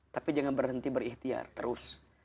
tapi jangan berhenti berikhtiar terus